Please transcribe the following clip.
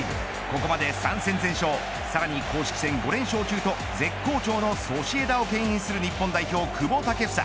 ここまで３戦全勝さらに公式戦５連勝中と絶好調のソシエダをけん引する日本代表、久保建英。